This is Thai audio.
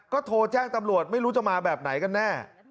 ก็โทรแจ้งตำรวจไม่รู้จะมาแบบไหนกันแน่